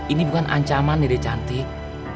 ini bukan ancaman ide cantik